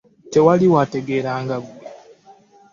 Tewali wano antegeera nga ggwe.